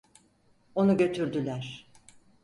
Onu götürdüler.